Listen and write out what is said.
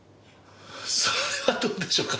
それはどうでしょうか。